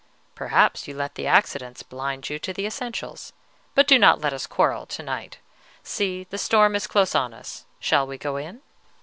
"Perhaps you let the accidents blind you to the essentials; but do not let us quarrel to night, see, the storm is close on us. Shall we go in?"